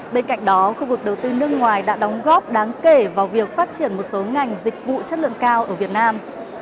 bên cạnh đó khu vực đầu tư nước ngoài đã đóng góp đáng kể vào việc phát triển một số ngành dịch vụ chất lượng cao ở việt nam